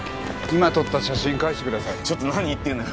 今撮った写真返してください。